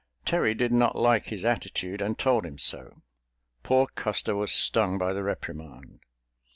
Terry did not like his attitude and told him so. Poor Custer was stung by the reprimand.